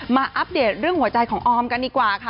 อัปเดตเรื่องหัวใจของออมกันดีกว่าค่ะ